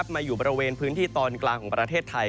มาอยู่บริเวณพื้นที่ตอนกลางของประเทศไทย